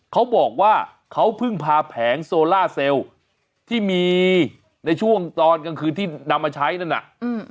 เขาบอกว่าเขาเพิ่งพาแผงโซล่าเซลล์ที่มีในช่วงตอนกลางคืนที่นำมาใช้นั่นน่ะอืม